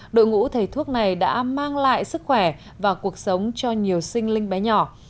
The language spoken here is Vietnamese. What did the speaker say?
đội ngũ thầy thuốc này đã mang lại sức khỏe và cuộc sống cho nhiều sinh linh bé nhỏ